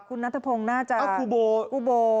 คุณนัทพงน่าจะกูโบ